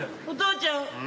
お父ちゃん。